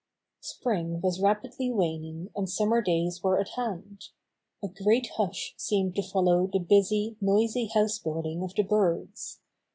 Spring was rapidly waning and summer days were at hand. A great hush seemed to follow the busy, noisy house building of the birds.